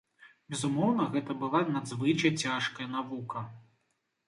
Безумоўна, гэта была надзвычай цяжкая навука.